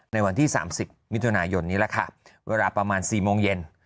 ในวันที่๓๐มิถุนายนนี้แหละค่ะเวลาประมาณ๔โมงเย็น